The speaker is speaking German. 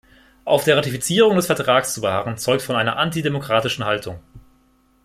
Auf der Ratifizierung des Vertrags zu beharren, zeugt von einer antidemokratischen Haltung.